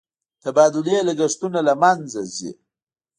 د تبادلې لګښتونه له منځه ځي.